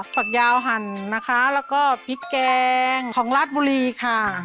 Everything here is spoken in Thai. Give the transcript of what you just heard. ผักยาวหั่นนะคะแล้วก็พริกแกงของราชบุรีค่ะ